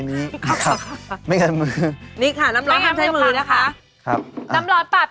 นี่นึกว่ามดมาไตสกาวน่ะ